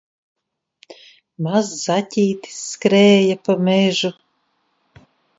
Mazs zaķītis skrēja pa mežu